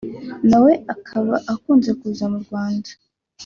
nawe akaba akunze kuza mu Rwanda